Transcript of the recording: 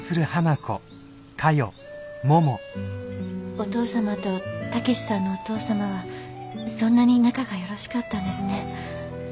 お義父様と武さんのお父様はそんなに仲がよろしかったんですね。